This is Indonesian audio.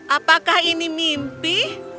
apakah ini mimpi